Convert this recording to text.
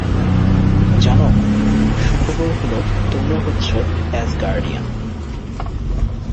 জানো, সুখবর হল তোমরা হচ্ছ অ্যাসগার্ডিয়ান।